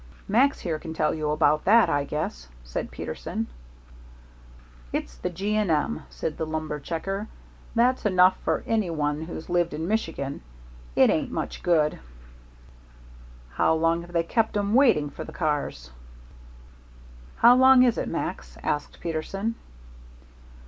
"Max, here, can tell you about that, I guess," said Peterson. "It's the G. & M.," said the lumber checker. "That's enough for any one who's lived in Michigan. It ain't much good." "How long have they kept 'em waiting for the cars?" "How long is it, Max?" asked Peterson.